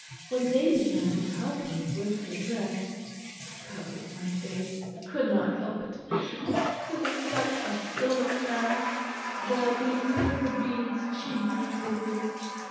When they began to help her with her dress I covered my face I could not help it. There was such a stillness now that I could hear her beads chink at her girdle.